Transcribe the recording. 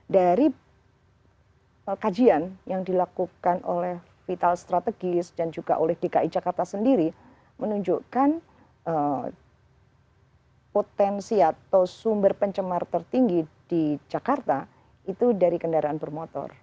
dari kajian yang dilakukan oleh vital strategis dan juga oleh dki jakarta sendiri menunjukkan potensi atau sumber pencemar tertinggi di jakarta itu dari kendaraan bermotor